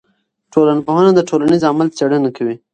ټولنپوهنه د ټولنیز عمل څېړنه کوي.